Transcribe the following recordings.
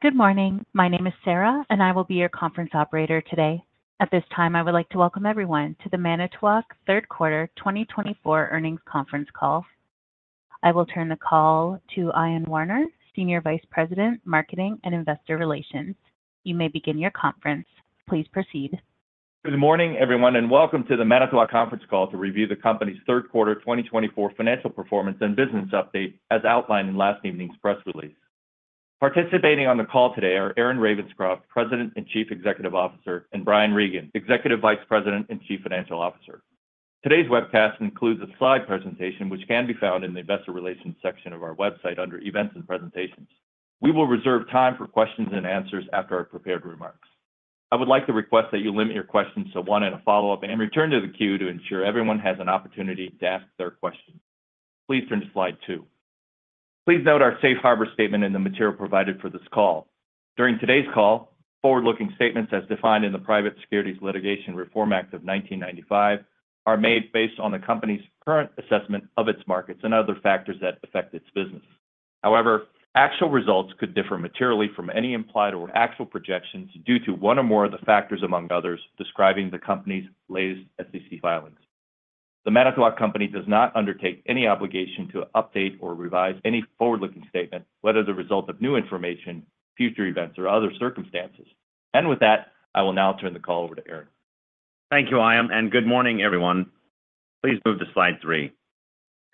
Good morning. My name is Sarah, and I will be your conference operator today. At this time, I would like to welcome everyone to the Manitowoc Q3 2024 earnings conference call. I will turn the call to Ion Warner, Senior Vice President, Marketing and Investor Relations. You may begin your conference. Please proceed. Good morning, everyone, and welcome to the Manitowoc conference call to review the company's Q3 2024 financial performance and business update as outlined in last evening's press release. Participating on the call today are Aaron Ravenscroft, President and Chief Executive Officer, and Brian Regan, Executive Vice President and Chief Financial Officer. Today's webcast includes a slide presentation, which can be found in the Investor Relations section of our website under Events and Presentations. We will reserve time for questions and answers after our prepared remarks. I would like to request that you limit your questions to one and a follow-up, and return to the queue to ensure everyone has an opportunity to ask their question. Please turn to slide two. Please note our safe harbor statement in the material provided for this call. During today's call, forward-looking statements, as defined in the Private Securities Litigation Reform Act of 1995, are made based on the company's current assessment of its markets and other factors that affect its business. However, actual results could differ materially from any implied or actual projections due to one or more of the factors, among others, described in the company's latest SEC filings. The Manitowoc Company does not undertake any obligation to update or revise any forward-looking statement, whether the result of new information, future events, or other circumstances. And with that, I will now turn the call over to Aaron. Thank you, Ion, and good morning, everyone. Please move to slide three.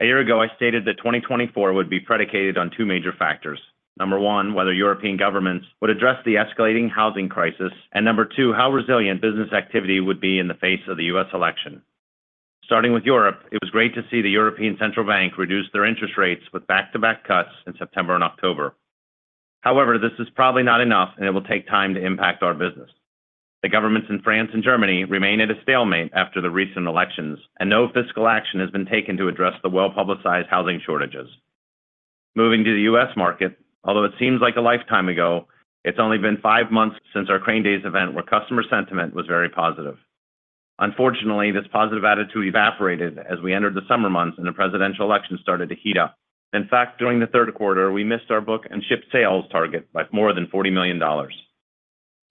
A year ago, I stated that 2024 would be predicated on two major factors: number one, whether European governments would address the escalating housing crisis, and number two, how resilient business activity would be in the face of the U.S. election. Starting with Europe, it was great to see the European Central Bank reduce their interest rates with back-to-back cuts in September and October. However, this is probably not enough, and it will take time to impact our business. The governments in France and Germany remain at a stalemate after the recent elections, and no fiscal action has been taken to address the well-publicized housing shortages. Moving to the U.S. market, although it seems like a lifetime ago, it's only been five months since our Crane Days event, where customer sentiment was very positive. Unfortunately, this positive attitude evaporated as we entered the summer months and the presidential election started to heat up. In fact, during the Q3, we missed our book-and-ship sales target by more than $40 million.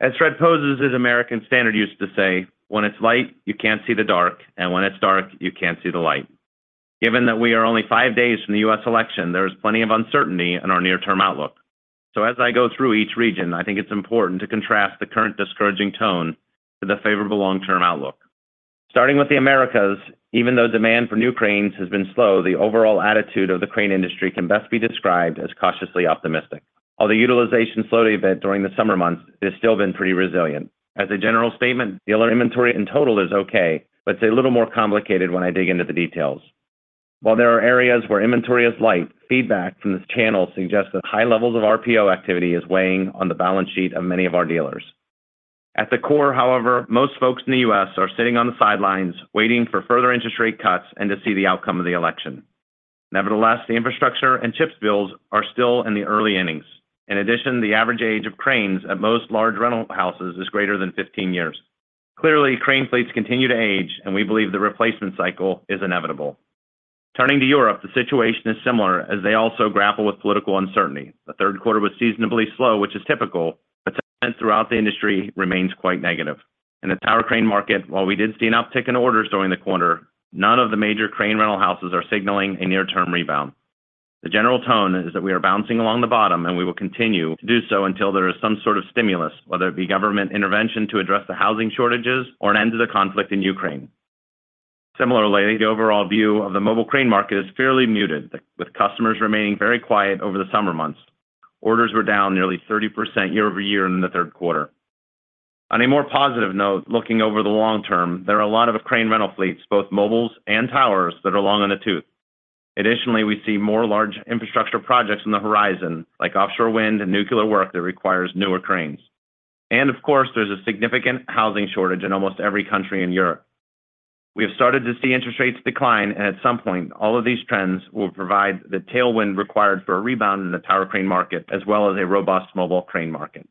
As Fred Poses of American Standard used to say, "When it's light, you can't see the dark, and when it's dark, you can't see the light." Given that we are only five days from the U.S. election, there is plenty of uncertainty in our near-term outlook. So, as I go through each region, I think it's important to contrast the current discouraging tone to the favorable long-term outlook. Starting with the Americas, even though demand for new cranes has been slow, the overall attitude of the crane industry can best be described as cautiously optimistic. Although utilization slowed a bit during the summer months, it has still been pretty resilient. As a general statement, dealer inventory in total is okay, but it's a little more complicated when I dig into the details. While there are areas where inventory is light, feedback from this channel suggests that high levels of RPO activity is weighing on the balance sheet of many of our dealers. At the core, however, most folks in the U.S. are sitting on the sidelines, waiting for further interest rate cuts and to see the outcome of the election. Nevertheless, the infrastructure and CHIills are still in the early innings. In addition, the average age of cranes at most large rental houses is greater than 15 years. Clearly, crane fleets continue to age, and we believe the replacement cycle is inevitable. Turning to Europe, the situation is similar as they also grapple with political uncertainty. The third quarter was seasonally slow, which is typical, but sentiment throughout the industry remains quite negative. In the tower crane market, while we did see an uptick in orders during the quarter, none of the major crane rental houses are signaling a near-term rebound. The general tone is that we are bouncing along the bottom, and we will continue to do so until there is some sort of stimulus, whether it be government intervention to address the housing shortages or an end to the conflict in Ukraine. Similarly, the overall view of the mobile crane market is fairly muted, with customers remaining very quiet over the summer months. Orders were down nearly 30% year over year in the third quarter. On a more positive note, looking over the long term, there are a lot of crane rental fleets, both mobiles and towers, that are long on the tooth. Additionally, we see more large infrastructure projects on the horizon, like offshore wind and nuclear work that requires newer cranes, and, of course, there's a significant housing shortage in almost every country in Europe. We have started to see interest rates decline, and at some point, all of these trends will provide the tailwind required for a rebound in the tower crane market, as well as a robust mobile crane market.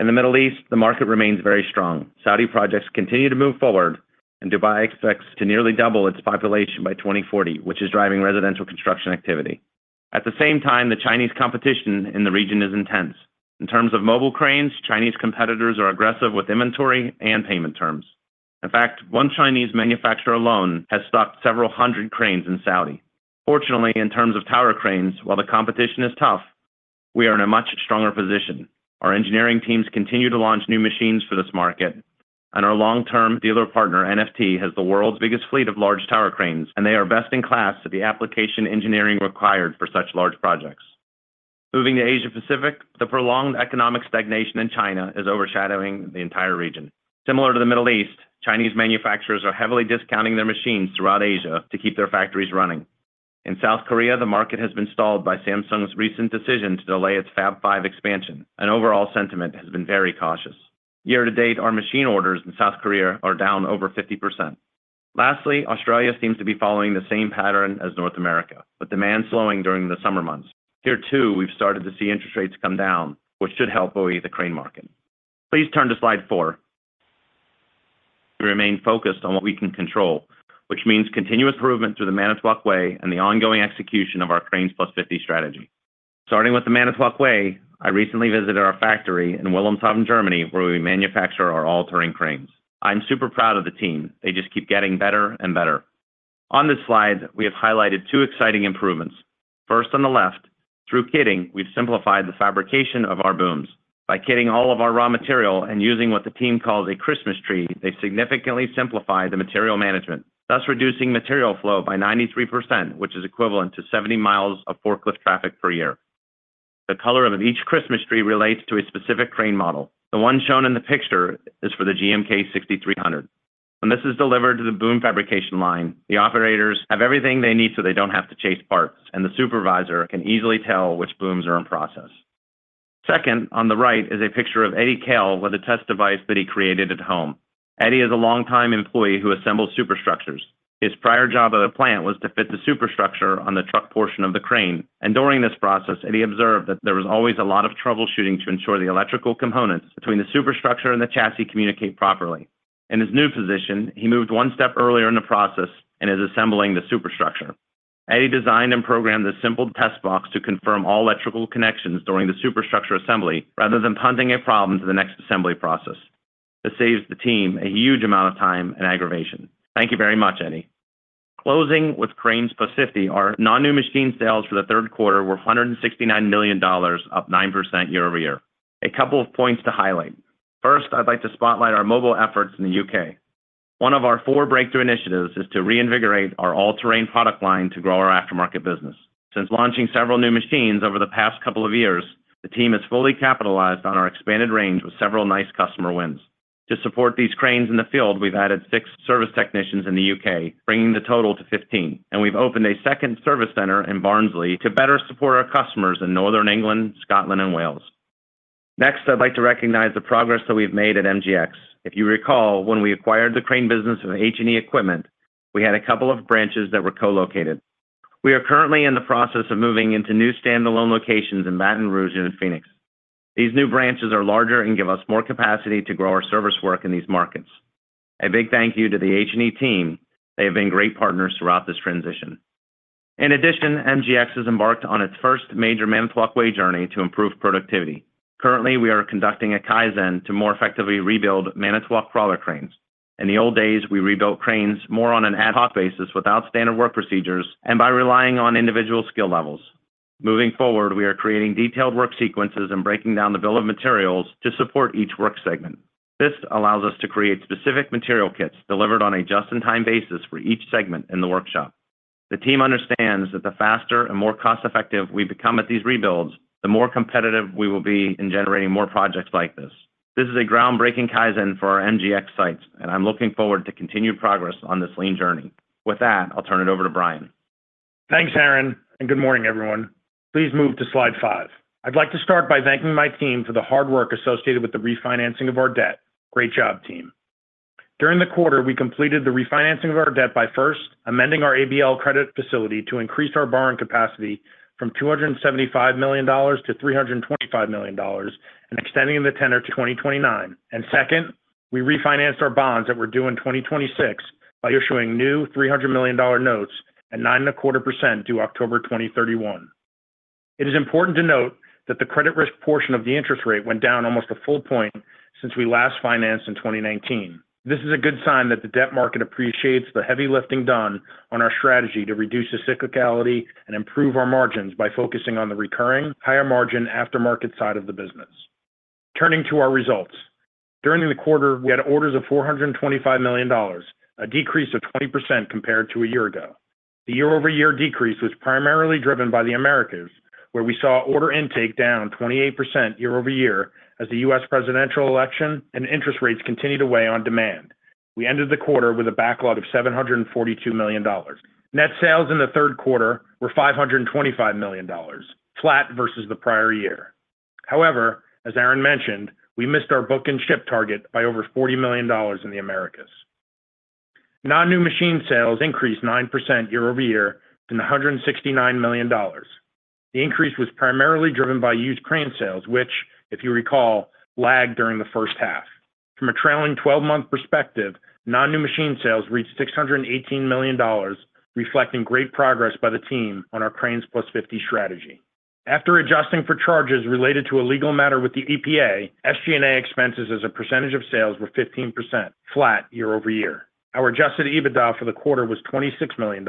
In the Middle East, the market remains very strong. Saudi projects continue to move forward, and Dubai expects to nearly double its population by 2040, which is driving residential construction activity. At the same time, the Chinese competition in the region is intense. In terms of mobile cranes, Chinese competitors are aggressive with inventory and payment terms. In fact, one Chinese manufacturer alone has stocked several hundred cranes in Saudi. Fortunately, in terms of tower cranes, while the competition is tough, we are in a much stronger position. Our engineering teams continue to launch new machines for this market, and our long-term dealer partner, NFT, has the world's biggest fleet of large tower cranes, and they are best in class at the application engineering required for such large projects. Moving to Asia Pacific, the prolonged economic stagnation in China is overshadowing the entire region. Similar to the Middle East, Chinese manufacturers are heavily discounting their machines throughout Asia to keep their factories running. In South Korea, the market has been stalled by Samsung's recent decision to delay its Fab 5 expansion, and overall sentiment has been very cautious. Year to date, our machine orders in South Korea are down over 50%. Lastly, Australia seems to be following the same pattern as North America, with demand slowing during the summer months. Here too, we've started to see interest rates come down, which should help buoy the crane market. Please turn to slide four. We remain focused on what we can control, which means continuous improvement through the Manitowoc Way and the ongoing execution of our Cranes+50 strategy. Starting with the Manitowoc Way, I recently visited our factory in Wilhelmshaven, Germany, where we manufacture our all-terrain cranes. I'm super proud of the team. They just keep getting better and better. On this slide, we have highlighted two exciting improvements. First, on the left, through kitting, we've simplified the fabrication of our booms. By kitting all of our raw material and using what the team calls a Christmas tree, they significantly simplify the material management, thus reducing material flow by 93%, which is equivalent to 70 miles of forklift traffic per year. The color of each Christmas tree relates to a specific crane model. The one shown in the picture is for the GMK6300. When this is delivered to the boom fabrication line, the operators have everything they need so they don't have to chase parts, and the supervisor can easily tell which booms are in process. Second, on the right, is a picture of Eddie Kell with a test device that he created at home. Eddie is a longtime employee who assembles superstructures. His prior job at the plant was to fit the superstructure on the truck portion of the crane, and during this process, Eddie observed that there was always a lot of troubleshooting to ensure the electrical components between the superstructure and the chassis communicate properly. In his new position, he moved one step earlier in the process and is assembling the superstructure. Eddie designed and programmed a simple test box to confirm all electrical connections during the superstructure assembly, rather than punting a problem to the next assembly process. This saves the team a huge amount of time and aggravation. Thank you very much, Eddie. Closing with Cranes+50, our non-new machine sales for the Q3 were $169 million, up 9% year over year. A couple of points to highlight. First, I'd like to spotlight our mobile efforts in the U.K. One of our four breakthrough initiatives is to reinvigorate our all-terrain product line to grow our aftermarket business. Since launching several new machines over the past couple of years, the team has fully capitalized on our expanded range with several nice customer wins. To support these cranes in the field, we've added six service technicians in the U.K., bringing the total to 15, and we've opened a second service center in Barnsley to better support our customers in Northern England, Scotland, and Wales. Next, I'd like to recognize the progress that we've made at MGX. If you recall, when we acquired the crane business of H&E Equipment, we had a couple of branches that were co-located. We are currently in the process of moving into new standalone locations in Baton Rouge and Phoenix. These new branches are larger and give us more capacity to grow our service work in these markets. A big thank you to the H&E team. They have been great partners throughout this transition. In addition, MGX has embarked on its first major Manitowoc Way journey to improve productivity. Currently, we are conducting a Kaizen to more effectively rebuild Manitowoc crawler cranes. In the old days, we rebuilt cranes more on an ad hoc basis without standard work procedures and by relying on individual skill levels. Moving forward, we are creating detailed work sequences and breaking down the bill of materials to support each work segment. This allows us to create specific material kits delivered on a just-in-time basis for each segment in the workshop. The team understands that the faster and more cost-effective we become at these rebuilds, the more competitive we will be in generating more projects like this. This is a groundbreaking Kaizen for our MGX sites, and I'm looking forward to continued progress on this lean journey. With that, I'll turn it over to Brian. Thanks, Aaron, and good morning, everyone. Please move to slide five. I'd like to start by thanking my team for the hard work associated with the refinancing of our debt. Great job, team. During the quarter, we completed the refinancing of our debt by first amending our ABL credit facility to increase our borrowing capacity from $275 million to $325 million and extending the tenor to 2029, and second, we refinanced our bonds that were due in 2026 by issuing new $300 million notes at 9.25% due October 2031. It is important to note that the credit risk portion of the interest rate went down almost a full point since we last financed in 2019. This is a good sign that the debt market appreciates the heavy lifting done on our strategy to reduce the cyclicality and improve our margins by focusing on the recurring, higher-margin aftermarket side of the business. Turning to our results, during the quarter, we had orders of $425 million, a decrease of 20% compared to a year ago. The year-over-year decrease was primarily driven by the Americas, where we saw order intake down 28% year over year as the U.S. presidential election and interest rates continued to weigh on demand. We ended the quarter with a backlog of $742 million. Net sales in the Q3 were $525 million, flat versus the prior year. However, as Aaron mentioned, we missed our book-and-ship target by over $40 million in the Americas. Non-new machine sales increased 9% year over year to $169 million. The increase was primarily driven by used crane sales, which, if you recall, lagged during the first half. From a trailing 12-month perspective, non-new machine sales reached $618 million, reflecting great progress by the team on our Cranes+50 strategy. After adjusting for charges related to a legal matter with the EPA, SG&A expenses as a percentage of sales were 15%, flat year over year. Our adjusted EBITDA for the quarter was $26 million,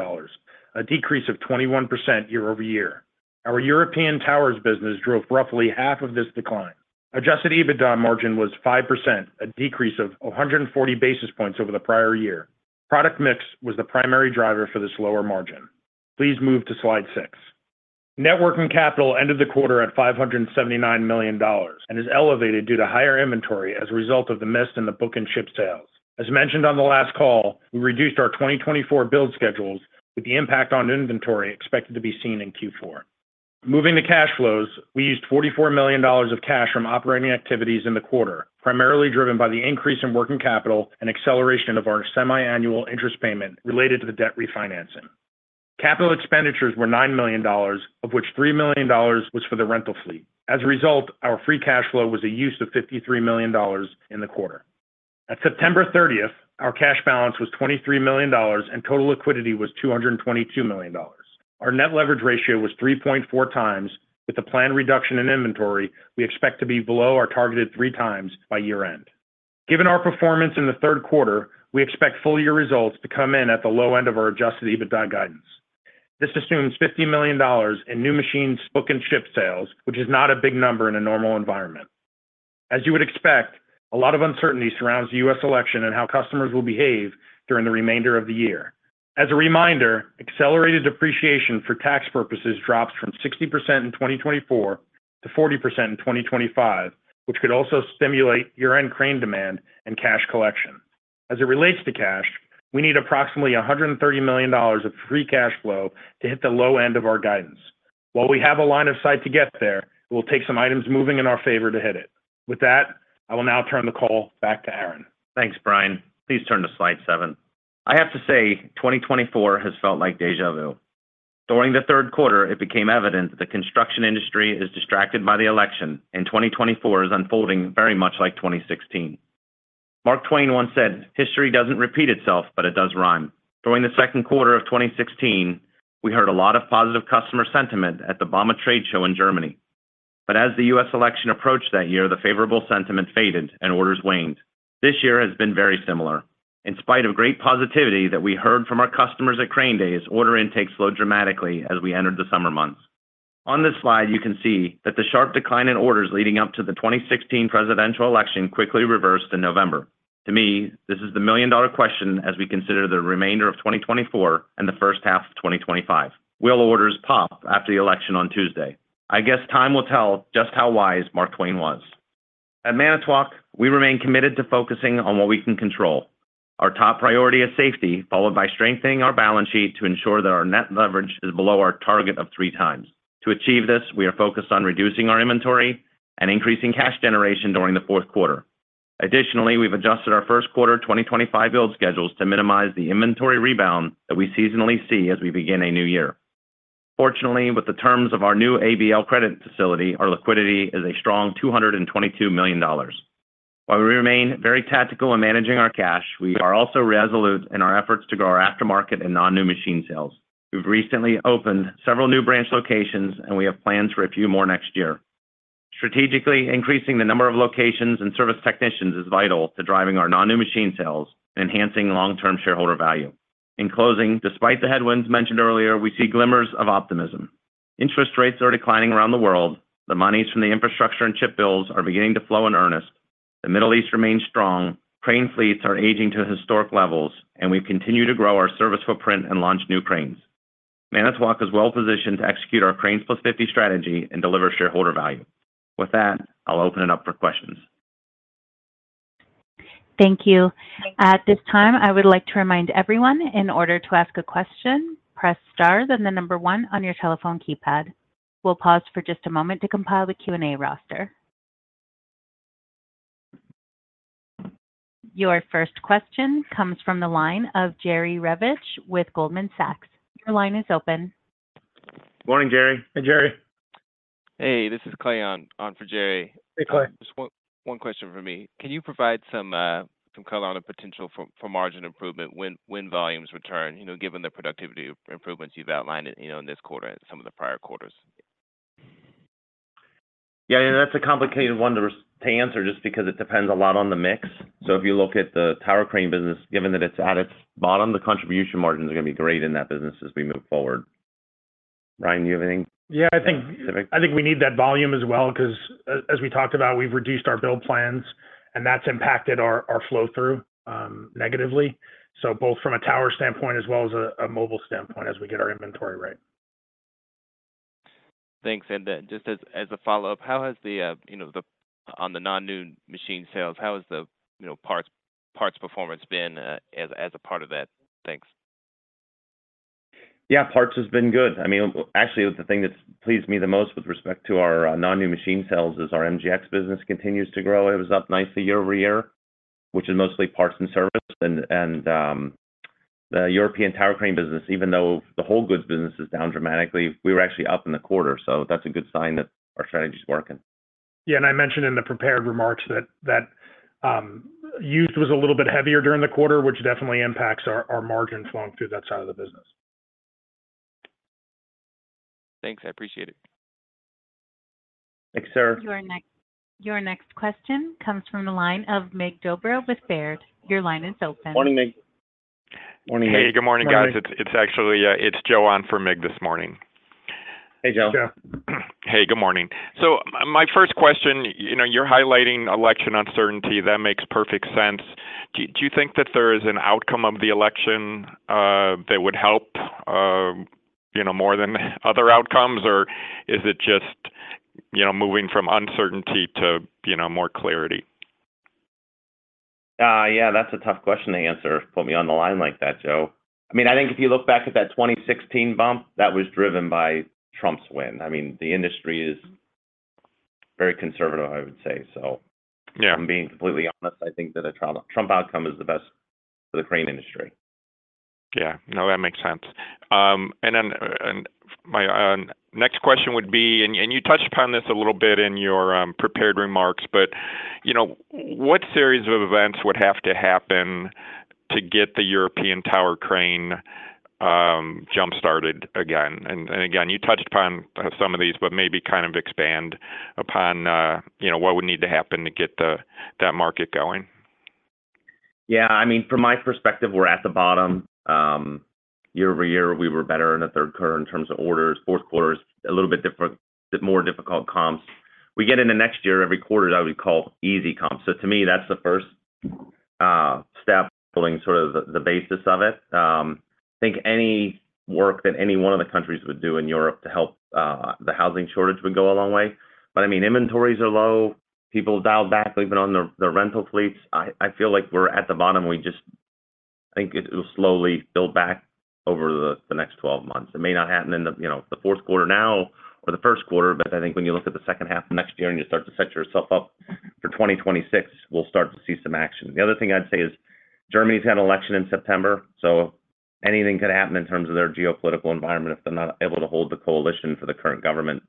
a decrease of 21% year over year. Our European towers business drove roughly half of this decline. Adjusted EBITDA margin was 5%, a decrease of 140 basis points over the prior year. Product mix was the primary driver for this lower margin. Please move to slide six. Net working capital ended the quarter at $579 million and is elevated due to higher inventory as a result of the miss in the book-and-ship sales. As mentioned on the last call, we reduced our 2024 build schedules, with the impact on inventory expected to be seen in Q4. Moving to cash flows, we used $44 million of cash from operating activities in the quarter, primarily driven by the increase in working capital and acceleration of our semi-annual interest payment related to the debt refinancing. Capital expenditures were $9 million, of which $3 million was for the rental fleet. As a result, our free cash flow was a use of $53 million in the quarter. At September 30th, our cash balance was $23 million and total liquidity was $222 million. Our net leverage ratio was 3.4 times, with the planned reduction in inventory we expect to be below our targeted three times by year-end. Given our performance in the Q3, we expect full-year results to come in at the low end of our Adjusted EBITDA guidance. This assumes $50 million in new machines book-and-ship sales, which is not a big number in a normal environment. As you would expect, a lot of uncertainty surrounds the U.S. election and how customers will behave during the remainder of the year. As a reminder, accelerated depreciation for tax purposes drops from 60% in 2024 to 40% in 2025, which could also stimulate year-end crane demand and cash collection. As it relates to cash, we need approximately $130 million of free cash flow to hit the low end of our guidance. While we have a line of sight to get there, it will take some items moving in our favor to hit it. With that, I will now turn the call back to Aaron. Thanks, Brian. Please turn to slide seven. I have to say, 2024 has felt like déjà vu. During the Q3, it became evident that the construction industry is distracted by the election, and 2024 is unfolding very much like 2016. Mark Twain once said, "History doesn't repeat itself, but it does rhyme." During the Q2 of 2016, we heard a lot of positive customer sentiment at the bauma trade show in Germany. But as the U.S. election approached that year, the favorable sentiment faded and orders waned. This year has been very similar. In spite of great positivity that we heard from our customers at Crane Days, order intake slowed dramatically as we entered the summer months. On this slide, you can see that the sharp decline in orders leading up to the 2016 presidential election quickly reversed in November. To me, this is the million-dollar question as we consider the remainder of 2024 and the first half of 2025. Will orders pop after the election on Tuesday? I guess time will tell just how wise Mark Twain was. At Manitowoc, we remain committed to focusing on what we can control. Our top priority is safety, followed by strengthening our balance sheet to ensure that our net leverage is below our target of three times. To achieve this, we are focused on reducing our inventory and increasing cash generation during the Q4. Additionally, we've adjusted our Q1 2025 build schedules to minimize the inventory rebound that we seasonally see as we begin a new year. Fortunately, with the terms of our new ABL credit facility, our liquidity is a strong $222 million. While we remain very tactical in managing our cash, we are also resolute in our efforts to grow our aftermarket and non-new machine sales. We've recently opened several new branch locations, and we have plans for a few more next year. Strategically, increasing the number of locations and service technicians is vital to driving our non-new machine sales and enhancing long-term shareholder value. In closing, despite the headwinds mentioned earlier, we see glimmers of optimism. Interest rates are declining around the world. The monies from the infrastructure and chip builds are beginning to flow in earnest. The Middle East remains strong. Crane fleets are aging to historic levels, and we continue to grow our service footprint and launch new cranes. Manitowoc is well-positioned to execute our Cranes+50 strategy and deliver shareholder value. With that, I'll open it up for questions. Thank you. At this time, I would like to remind everyone, in order to ask a question, press star then the number one on your telephone keypad. We'll pause for just a moment to compile the Q&A roster. Your first question comes from the line of Jerry Revich with Goldman Sachs. Your line is open. Morning, Jerry. Hey, Jerry. Hey, this is Clay on for Jerry. Hey, Clay. Just one question from me. Can you provide some color on the potential for margin improvement when volumes return, given the productivity improvements you've outlined in this quarter and some of the prior quarters? Yeah, that's a complicated one to answer just because it depends a lot on the mix. So if you look at the tower crane business, given that it's at its bottom, the contribution margins are going to be great in that business as we move forward. Brian, do you have anything specific? Yeah, I think we need that volume asi well because, as we talked about, we've reduced our build plans, and that's impacted our flow-through negatively, so both from a tower standpoint as well as a mobile standpoint as we get our inventory right. Thanks. And just as a follow-up, how has the, on the non-new machine sales, how has the parts performance been as a part of that? Thanks. Yeah, parts has been good. I mean, actually, the thing that pleased me the most with respect to our non-new machine sales is our MGX business continues to grow. It was up nicely year over year, which is mostly parts and service. And the European tower crane business, even though the whole goods business is down dramatically, we were actually up in the quarter. So that's a good sign that our strategy is working. Yeah, and I mentioned in the prepared remarks that used was a little bit heavier during the quarter, which definitely impacts our margin flowing through that side of the business. Thanks. I appreciate it. Thanks, sir. Your next question comes from the line of Mircea Dobre with Baird. Your line is open. Morning, Meg. Hey, good morning, guys. It's actually Joe from Mig this morning. Hey, Joan. Hey, Joan. Hey, good morning. So my first question, you're highlighting election uncertainty. That makes perfect sense. Do you think that there is an outcome of the election that would help more than other outcomes, or is it just moving from uncertainty to more clarity? Yeah, that's a tough question to answer. Put me on the line like that, Joe. I mean, I think if you look back at that 2016 bump, that was driven by Trump's win. I mean, the industry is very conservative, I would say. So if I'm being completely honest, I think that a Trump outcome is the best for the crane industry. Yeah, no, that makes sense, and then my next question would be, and you touched upon this a little bit in your prepared remarks, but what series of events would have to happen to get the European tower crane jump-started again, and again, you touched upon some of these, but maybe kind of expand upon what would need to happen to get that market going. Yeah, I mean, from my perspective, we're at the bottom. Year over year, we were better in the Q3 in terms of orders. Q4 is a little bit more difficult comps. We get into next year, every quarter, I would call easy comps. So to me, that's the first step, building sort of the basis of it. I think any work that any one of the countries would do in Europe to help the housing shortage would go a long way. But I mean, inventories are low. People dialed back, even on their rental fleets. I feel like we're at the bottom. We just, I think it will slowly build back over the next 12 months. It may not happen in the Q4 now or the Q1, but I think when you look at the second half of next year and you start to set yourself up for 2026, we'll start to see some action. The other thing I'd say is Germany's got an election in September. So anything could happen in terms of their geopolitical environment. If they're not able to hold the coalition for the current government,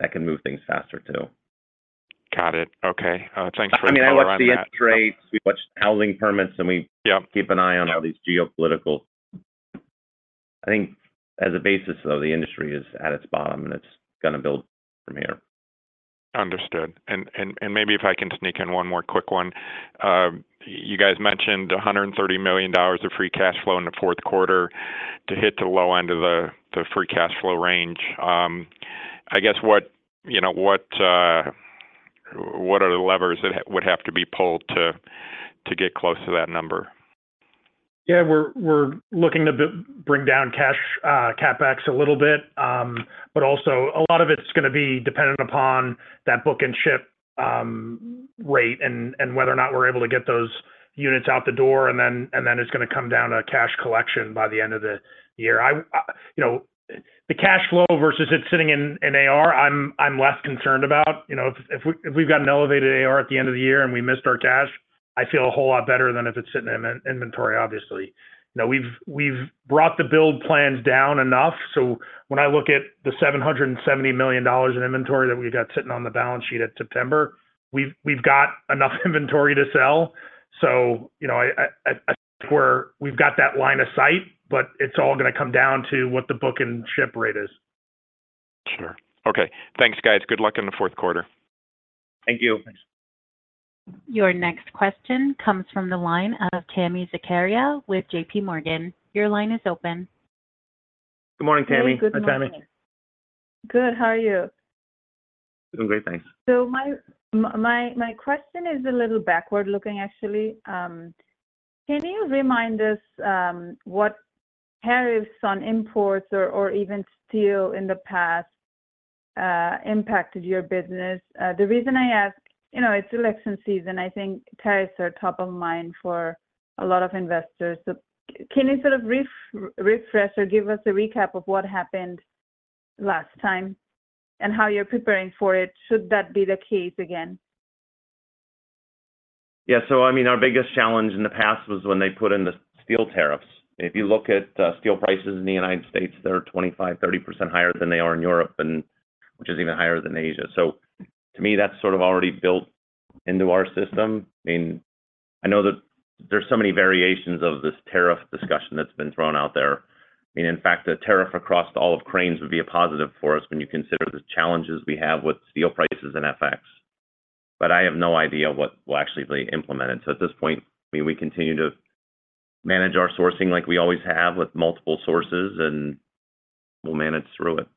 that can move things faster too. Got it. Okay. Thanks for clarifying. I mean, I watched the interest rates. We watched housing permits, and we keep an eye on all these geopolitics. I think as a basis, though, the industry is at its bottom, and it's going to build from here. Understood, and maybe if I can sneak in one more quick one. You guys mentioned $130 million of free cash flow in the Q4 to hit the low end of the free cash flow range. I guess what are the levers that would have to be pulled to get close to that number? Yeah, we're looking to bring down cash CapEx a little bit, but also a lot of it's going to be dependent upon that book-and-ship rate and whether or not we're able to get those units out the door, and then it's going to come down to cash collection by the end of the year. The cash flow versus it sitting in AR, I'm less concerned about. If we've got an elevated AR at the end of the year and we missed our cash, I feel a whole lot better than if it's sitting in inventory, obviously. We've brought the build plans down enough, so when I look at the $770 million in inventory that we've got sitting on the balance sheet at September, we've got enough inventory to sell. So I think we've got that line of sight, but it's all going to come down to what the book-and-ship rate is. Sure. Okay. Thanks, guys. Good luck in the Q4. Thank you. Your next question comes from the line of Tami Zakaria with J.P. Morgan. Your line is open. Good morning, Tami. Hey, good morning, Tami. Good. How are you? Doing great, thanks. So my question is a little backward-looking, actually. Can you remind us what tariffs on imports or even steel in the past impacted your business? The reason I ask, it's election season. I think tariffs are top of mind for a lot of investors. Can you sort of refresh or give us a recap of what happened last time and how you're preparing for it should that be the case again? Yeah, so I mean, our biggest challenge in the past was when they put in the steel tariffs. If you look at steel prices in the United States, they're 25%-30% higher than they are in Europe, which is even higher than Asia. So to me, that's sort of already built into our system. I mean, I know that there's so many variations of this tariff discussion that's been thrown out there. I mean, in fact, the tariff across all of cranes would be a positive for us when you consider the challenges we have with steel prices and FX. But I have no idea what will actually be implemented. So at this point, I mean, we continue to manage our sourcing like we always have with multiple sources, and we'll manage through it.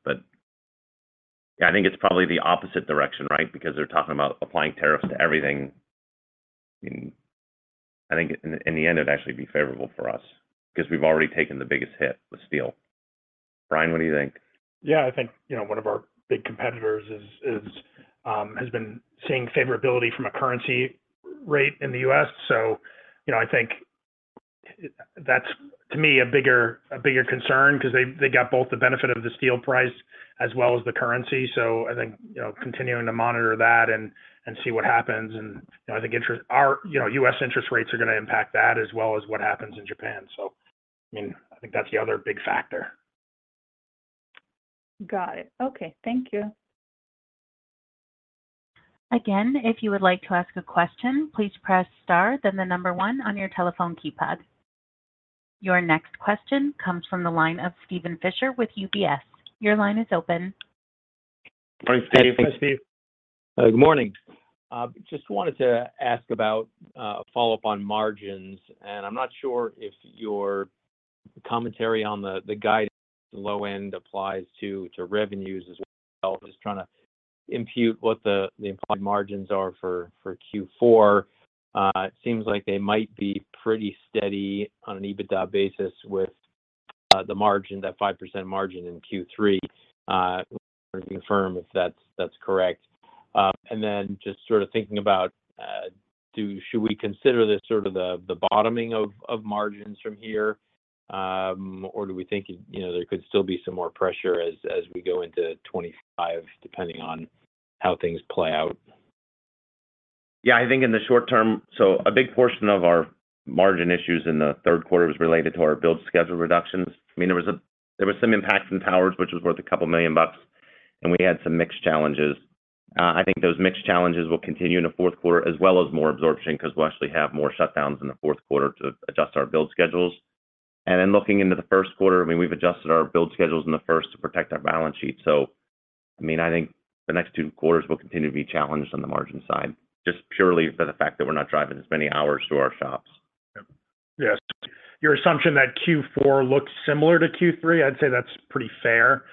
But yeah, I think it's probably the opposite direction, right? Because they're talking about applying tariffs to everything. I mean, I think in the end, it'd actually be favorable for us because we've already taken the biggest hit with steel. Brian, what do you think? Yeah, I think one of our big competitors has been seeing favorability from a currency rate in the U.S. So I think that's, to me, a bigger concern because they got both the benefit of the steel price as well as the currency. So I think continuing to monitor that and see what happens. And I think U.S. interest rates are going to impact that as well as what happens in Japan. So I mean, I think that's the other big factor. Got it. Okay. Thank you. Again, if you would like to ask a question, please press star then the number one on your telephone keypad. Your next question comes from the line of Steven Fisher with UBS. Your line is open. Morning, Steve. Hey, Steve. Good morning. Just wanted to ask about a follow-up on margins. And I'm not sure if your commentary on the guidance low end applies to revenues as well. Just trying to impute what the implied margins are for Q4. It seems like they might be pretty steady on an EBITDA basis with the margin, that 5% margin in Q3. I want to confirm if that's correct. And then just sort of thinking about, should we consider this sort of the bottoming of margins from here, or do we think there could still be some more pressure as we go into 2025, depending on how things play out? Yeah, I think in the short term, so a big portion of our margin issues in the Q3 was related to our build schedule reductions. I mean, there was some impact from towers, which was worth $2 million, and we had some mixed challenges. I think those mixed challenges will continue in the Q4 as well as more absorption because we'll actually have more shutdowns in the Q4 to adjust our build schedules. And then looking into the Q1, I mean, we've adjusted our build schedules in the Q1 to protect our balance sheet. So I mean, I think the next two quarters will continue to be challenged on the margin side, just purely for the fact that we're not driving as many hours to our shops. Yes. Your assumption that Q4 looks similar to Q3, I'd say that's pretty fair.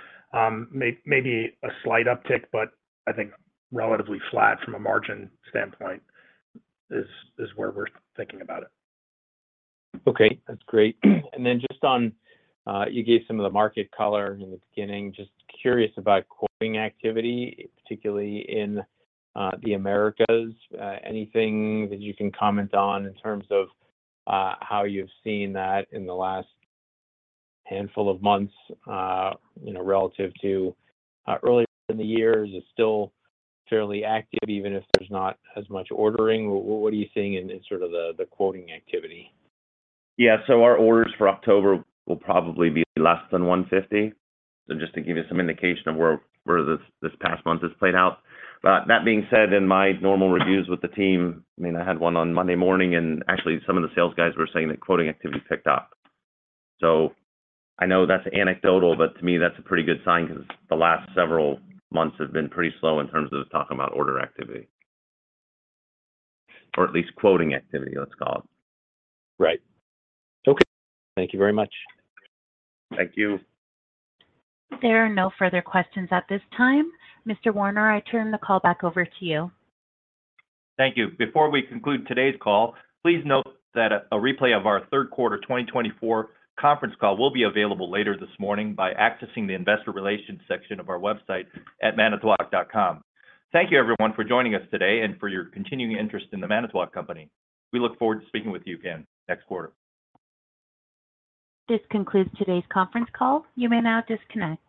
Maybe a slight uptick, but I think relatively flat from a margin standpoint is where we're thinking about it. Okay. That's great. And then just on, you gave some of the market color in the beginning. Just curious about quoting activity, particularly in the Americas. Anything that you can comment on in terms of how you've seen that in the last handful of months relative to earlier in the year? Is it still fairly active, even if there's not as much ordering? What are you seeing in sort of the quoting activity? Yeah, so our orders for October will probably be less than 150. So just to give you some indication of where this past month has played out. But that being said, in my normal reviews with the team, I mean, I had one on Monday morning, and actually some of the sales guys were saying that quoting activity picked up. I know that's anecdotal, but to me, that's a pretty good sign because the last several months have been pretty slow in terms of talking about order activity, or at least quoting activity, let's call it. Right. Okay. Thank you very much. Thank you. There are no further questions at this time. Mr. Warner, I turn the call back over to you. Thank you. Before we conclude today's call, please note that a replay of our Q3 2024 conference call will be available later this morning by accessing the investor relations section of our website at manitowoc.com. Thank you, everyone, for joining us today and for your continuing interest in the Manitowoc Company. We look forward to speaking with you again next quarter. This concludes today's conference call. You may now disconnect.